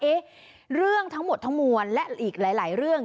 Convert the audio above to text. เรื่องทั้งหมดทั้งมวลและอีกหลายเรื่อง